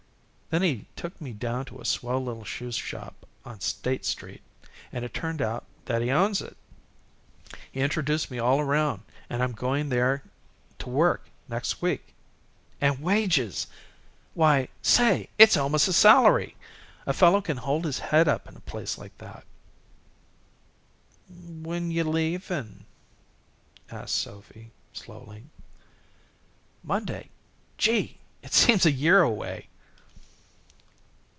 Then he took me down to a swell little shoe shop on State Street, and it turned out that he owns it. He introduced me all around, and I'm going there to work next week. And wages! Why say, it's almost a salary. A fellow can hold his head up in a place like that." "When you leavin'?" asked Sophy, slowly. "Monday. Gee! it seems a year away."